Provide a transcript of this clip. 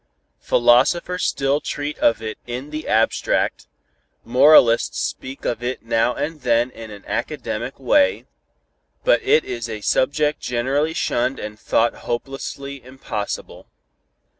"Philosophers still treat of it in the abstract, moralists speak of it now and then in an academic way, but it is a subject generally shunned and thought hopelessly impossible.